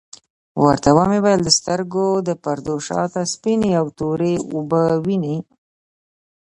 ورته ومي ویل د سترګو د پردو شاته سپیني او توری اوبه وینې ؟